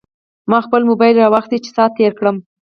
ما خپل موبایل راواخیست چې ساعت تېر کړم.